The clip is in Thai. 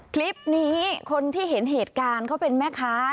คลิปนี้คนที่เห็นเหตุการณ์เขาเป็นแม่ค้า